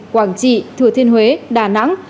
quảng trị thừa thiên huế đà nẵng